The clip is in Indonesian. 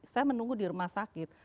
saya menunggu di rumah sakit